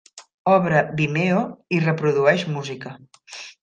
Obre Vimeo i reprodueix música.